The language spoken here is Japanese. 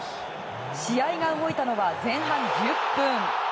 試合が動いたのは前半１０分。